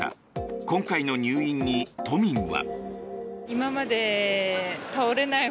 今回の入院に都民は。